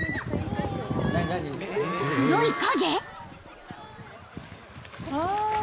［黒い影？］